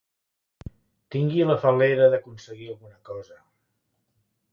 Tingui la fal·lera d'aconseguir alguna cosa.